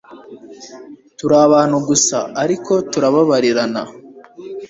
turi abantu gusa, ariko turababarirana